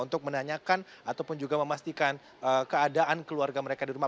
untuk menanyakan ataupun juga memastikan keadaan keluarga mereka di rumah